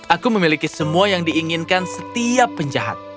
aku memiliki semua yang diinginkan setiap penjahat